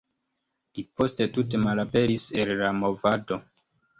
Li poste tute malaperis el la movado.